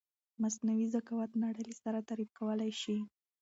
مثنوعې زکاوت نړی له سره تعریف کولای شې